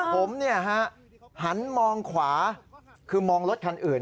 ผมหันมองขวาคือมองรถคันอื่น